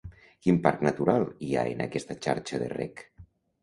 Quin parc natural hi ha en aquesta xarxa de rec?